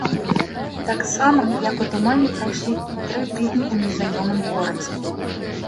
Таксама, як у тумане, прайшлі тры тыдні ў незнаёмым горадзе.